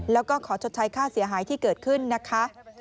แล้วก็ขอชดใช้ค่าเสียหายที่เกิดขึ้นนะคะ